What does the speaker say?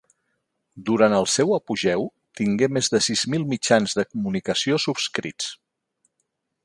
Durant el seu apogeu tingué més de sis mil mitjans de comunicació subscrits.